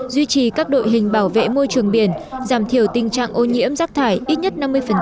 duy trì các đội hình bảo vệ môi trường biển giảm thiểu tình trạng ô nhiễm rác thải ít nhất năm mươi